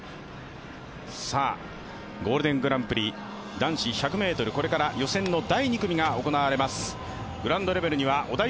ゴールデングランプリ、男子１００ｍの予選の第２組が行われます。